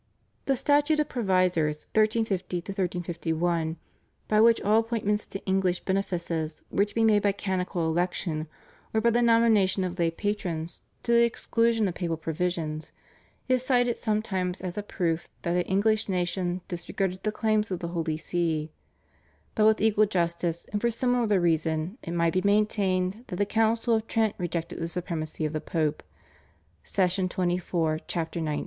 The Statute of Provisors (1350 1), by which all appointments to English benefices were to be made by canonical election or by the nomination of lay patrons to the exclusion of papal provisions, is cited sometimes as a proof that the English nation disregarded the claims of the Holy See, but with equal justice and for a similar reason it might be maintained that the Council of Trent rejected the Supremacy of the Pope (Session xxiv., chap. 19).